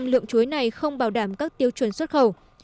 năm mươi lượng chuối này không bảo đảm các tiêu chuẩn xuất khẩu